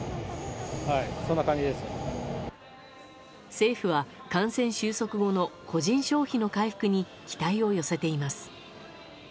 政府は感染収束後の個人消費の回復に期待を寄せています。